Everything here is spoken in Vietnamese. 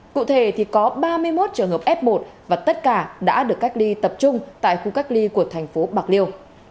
cụ thể thì có ba mươi một trường hợp f một và tất cả đã được cách ly tập trung tại khu cách ly của thành phố bạc liêu